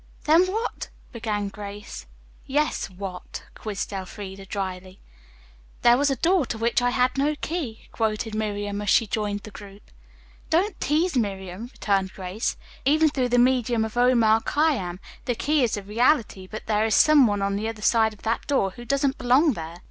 "Then what " began Grace. "Yes, what?" quizzed Elfreda dryly. "'There was a door to which I had no key,'" quoted Miriam, as she joined the group. "Don't tease, Miriam," returned Grace, "even through the medium of Omar Khayyam. The key is a reality, but there is some one on the other side of that door who doesn't belong there.